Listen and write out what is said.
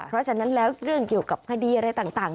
เพราะฉะนั้นแล้วเรื่องเกี่ยวกับคดีอะไรต่าง